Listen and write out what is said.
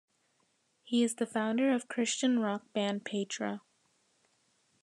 He is the founder of Christian rock band Petra.